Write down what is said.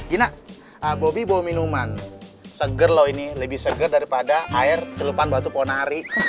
ini gua minuman seger lo ini lebih seger daripada air celupan batu ponari